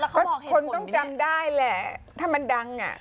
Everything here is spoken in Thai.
คนต้องจำได้แหละถ้ามันดังอะ